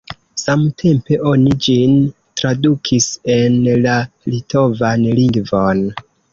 Samtempe oni ĝin tradukis en la litovan lingvon.